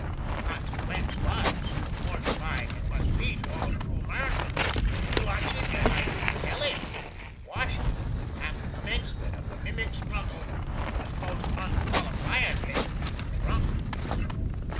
The consequence was mortifying as it must be to all true Americans blushing as I do to tell it, Washington at the commencement of the mimic struggle was most unqualifiedly drunk.